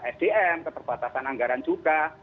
sdm keterbatasan anggaran juga